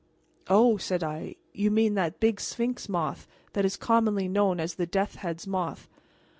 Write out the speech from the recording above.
'" "Oh!" said I, "you mean that big sphinx moth that is commonly known as the 'death's head moth.'